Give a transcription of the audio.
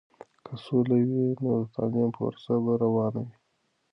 که سوله وي، نو تعلیمي پروسه به روانه وي.